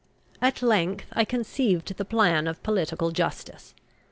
At length I conceived the plan of Political Justice.